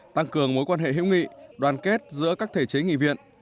tăng cường mối quan hệ hữu nghị đoàn kết giữa các thể chế nghị viện